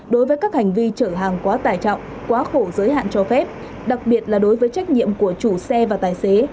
đối với các hành vi chở hàng quá tài trọng quá khổ giới hạn cho phép đặc biệt là đối với trách nhiệm của chủ xe và tài xế